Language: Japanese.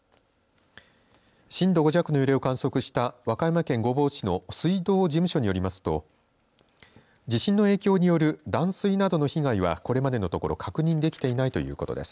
震度５弱の揺れを観測した和歌山県御坊市の水道事務所によりますと地震の影響による断水などの被害はこれまでのところ確認できていないということです。